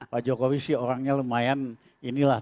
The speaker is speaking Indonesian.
pak jokowi sih orangnya lumayan inilah